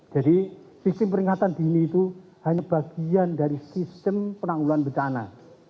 jadi sistem peringatan dini itu hanya bagian dari sistem penanggulan bencana